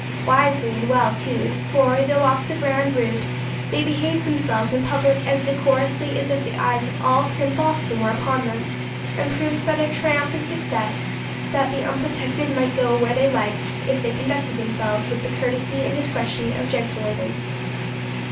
Wisely and well too; for, though off the grand route, they behaved themselves in public as decorously as if the eyes of all prim Boston were upon them, and proved by their triumphant success, that the unprotected might go where they liked, if they conducted themselves with the courtesy and discretion of gentlewomen.